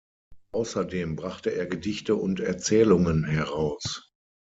Außerdem brachte er Gedichte und Erzählungen heraus.